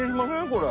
これ。